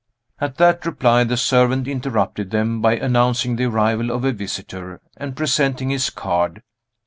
At that reply, the servant interrupted them by announcing the arrival of a visitor, and presenting his card.